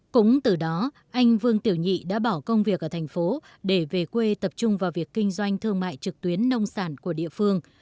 cũng từ đó anh vương tiểu nhị đã bỏ công việc ở thành phố để về quê tập trung vào việc kinh doanh thương mại trực tuyến nông sản của địa phương